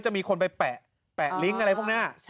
มีคนไปแปะลิงก์อะไรพวกหน้า